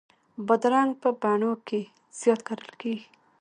بادرنګ په بڼو کې زیات کرل کېږي.